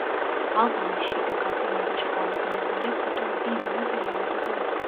ალბომის შიდა გაფორმებაში გამოყენებულია ფოტოები იმავე პერიოდიდან.